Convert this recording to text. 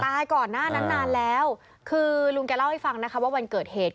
ก่อนหน้านั้นนานแล้วคือลุงแกเล่าให้ฟังนะคะว่าวันเกิดเหตุ